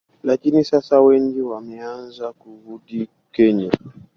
lakini sasa wengi wameanza kurudi Kenya